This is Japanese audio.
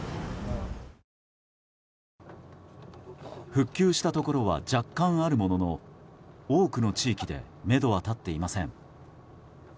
復旧したところは若干あるものの多くの地域でめどは立っていません。